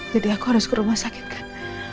jadi aku harus ke rumah sakit kan